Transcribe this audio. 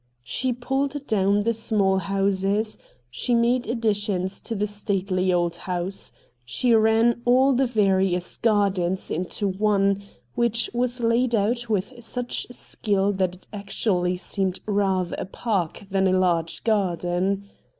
She pulled down the small houses ; she made additions to the stately old house ; she ran all the various gardens into one, which was laid out with THE CULTURE COLLEGE 175 such skill that it actually seemed rather a park than a large garden.